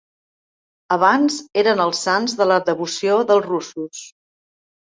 Abans eren els sants de la devoció dels russos.